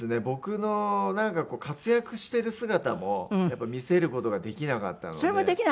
僕の活躍してる姿も見せる事ができなかったので。